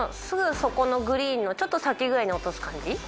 すぐそこのグリーンのちょっと先くらいに落とす感じ。